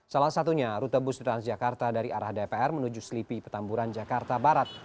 salah satunya rute bus transjakarta dari arah dpr menuju selipi petamburan jakarta barat